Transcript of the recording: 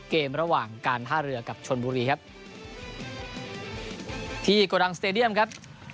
เกมระหว่างการท่าเรือกับชนบุรีครับที่โกดังสเตดียมครับ